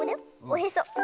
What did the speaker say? おへそ。